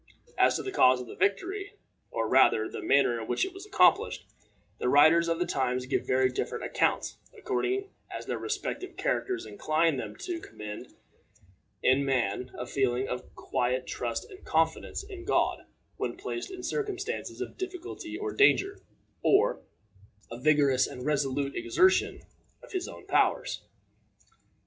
As to the cause of the victory, or, rather, the manner in which it was accomplished, the writers of the times give very different accounts, according as their respective characters incline them to commend, in man, a feeling of quiet trust and confidence in God when placed in circumstances of difficulty or danger, or a vigorous and resolute exertion of his own powers.